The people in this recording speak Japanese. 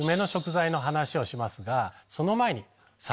その前に。